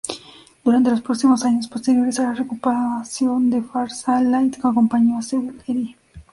Durante los próximos años posteriores a la reocupación de Fars, al-Layth acompañó a Sebük-eri.